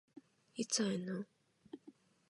いつ会えんの？